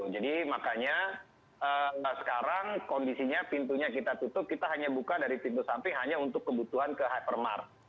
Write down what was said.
jadi makanya sekarang kondisinya pintunya kita tutup kita hanya buka dari pintu samping hanya untuk kebutuhan ke hypermarket